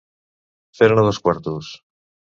Fer-ne dos quartos.